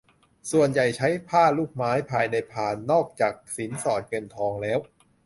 ส่วนใหญ่ใช้ผ้าลูกไม้ ภายในพานนอกจากสินสอดเงินทองแล้ว